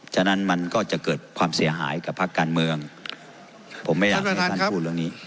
ฉะนั้นมันก็จะเกิดความเสียหายกับภาคการเมืองผมไม่อยากให้ท่านพูดเรื่องนี้